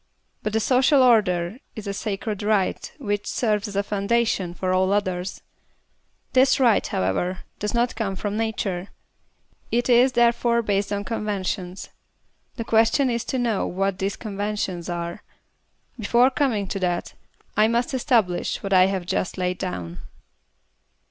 But the social order is a sacred right which serves as a foundation for all others. This right, however, does not come from nature. It is there fore based on conventions. The question is to know what these conventions are. Before coming to that, I must establish what I have just laid down.